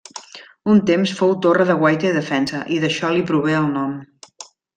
Un temps fou torre de guaita i defensa i d'això li prové el nom.